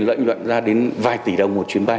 lợi nhuận ra đến vài tỷ đồng một chuyến bay